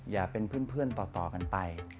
อย่าเป็นเพื่อนต่อกันไป